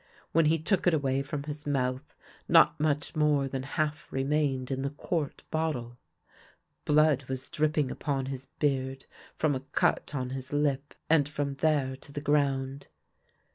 When he took it away from his mouth not much more than half remained in the quart bottle. Blood was dripping upon his beard from a cut on his lip, and from there to the ground.